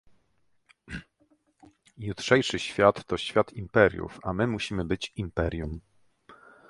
Jutrzejszy świat to świat imperiów, a my musimy być imperium